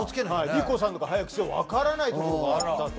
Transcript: りこさんとか「早口でわからないところがあった」と。